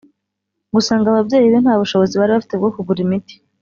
gusa ngo ababyeyi be nta bushobozi bari bafite bwo kugura imiti